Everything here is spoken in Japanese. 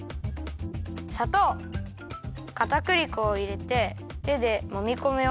さとうかたくり粉をいれててでもみこむよ。